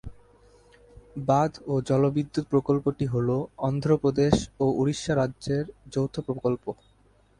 বাঁধ এবং জলবিদ্যুৎ প্রকল্পটি হল অন্ধ্র প্রদেশ ও উড়িষ্যা রাজ্যের যৌথ প্রকল্প।